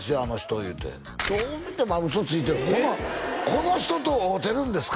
言うてどう見ても嘘ついてるこの人と会うてるんですか？